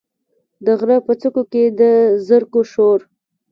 د غره په څوکو کې، د زرکو شور،